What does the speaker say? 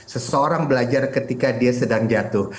seseorang belajar ketika dia sedang jatuh